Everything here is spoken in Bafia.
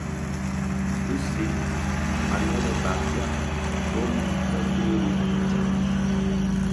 Bi sig anë lè Bafia bomid bè terri tsamèn.